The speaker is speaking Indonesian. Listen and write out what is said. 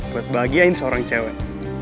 buat bahagiain seorang cewek